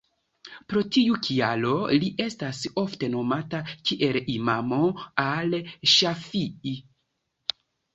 Pro tiu kialo li estas ofte nomata kiel Imamo al-Ŝafi'i.